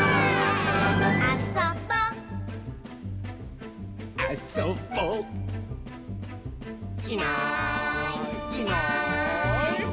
「あそぼ」「あそぼ」「いないいないばあっ！」